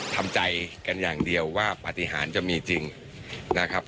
ทำใจกันอย่างเดียวว่าปฏิหารจะมีจริงนะครับ